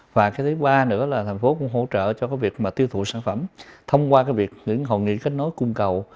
và cái thứ ba nữa là thành phố cũng hỗ trợ cho cái việc mà tiêu thụ sản phẩm thông qua cái việc những hội nghị kết nối cung cầu